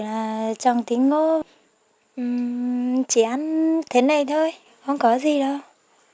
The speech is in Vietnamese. mà chồng tính ngô chỉ ăn thế này thôi không có gì đâu